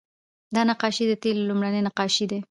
دا نقاشۍ د تیلو لومړنۍ نقاشۍ دي